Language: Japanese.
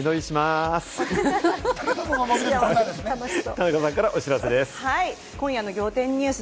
田中さんからお知らせです。